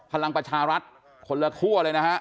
พลังประชารัฐคนละคั่วเลยนะฮะ